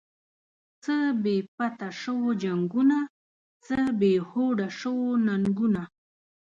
څه بی پته شوو جنگونه، څه بی هوډه شوو ننگونه